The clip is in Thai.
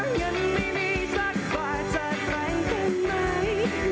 เธอยังไม่มีสักบาทจะแปลงเป็นไหม